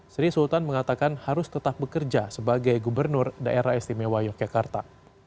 sri sultan mengatakan harus tetap bekerja sebagai gubernur daerah istimewa yogyakarta